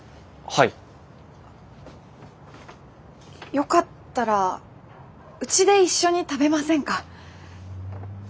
よかったらうちで一緒に食べませんか？